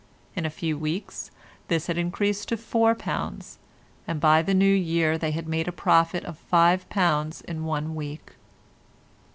In a few weeks this had increased to £4, and by the New Year they had made a profit of £5 in one week.